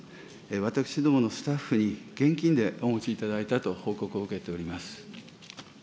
私どものスタッフに現金でお持ちいただいたと報告を受けておりま